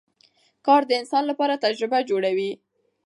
کار د انسان لپاره تجربه جوړوي